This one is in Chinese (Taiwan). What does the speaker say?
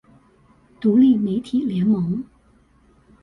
獨立媒體聯盟